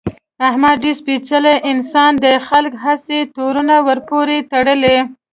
احمد ډېر سپېڅلی انسان دی، خلک هسې تورونه ورپورې تړي.